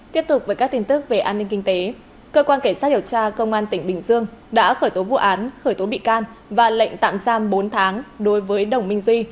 tiếp tục với các tin tức về an ninh kinh tế cơ quan cảnh sát điều tra công an tỉnh bình dương đã khởi tố vụ án khởi tố bị can và lệnh tạm giam bốn tháng đối với đồng minh duy